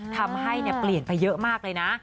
ทำให้เปลี่ยนไปเยอะมากเลยนะ